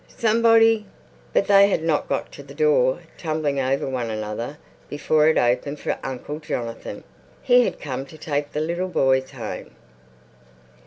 Somebody!" But they had not got to the door, tumbling over one another, before it opened for Uncle Jonathan. He had come to take the little boys home.